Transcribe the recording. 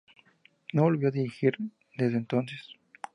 No volvió a dirigir desde entonces.